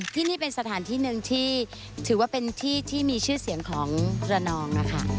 ที่นี่เป็นสถานที่หนึ่งที่ถือว่าเป็นที่ที่มีชื่อเสียงของระนองนะคะ